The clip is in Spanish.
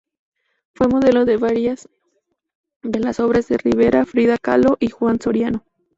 Fue modelo de varias de las obras de Rivera, Frida Kahlo y Juan Soriano.